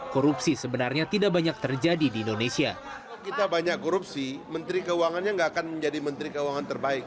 kita banyak korupsi menteri keuangannya tidak akan menjadi menteri keuangan terbaik